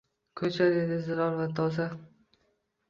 Ko’char edi zilol va toza.